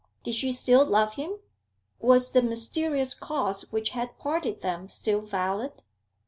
Did she still love him? Was the mysterious cause which had parted them still valid?